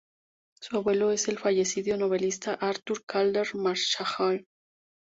Su abuelo es el fallecido novelista Arthur Calder-Marshall.